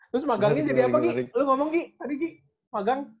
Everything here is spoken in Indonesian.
terus magangnya jadi apa gi lu ngomong gi tadi gi magang